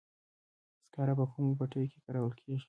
سکاره په کومو بټیو کې کارول کیږي؟